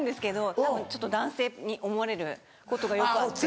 たぶんちょっと男性に思われることがよくあって。